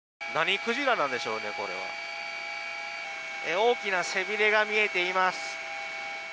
大きな背びれが見えています。